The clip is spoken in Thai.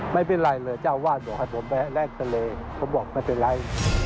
ไม่เป็นไรเลยเจ้าวาดบอกให้ผมไปแลกทะเลเขาบอกไม่เป็นไร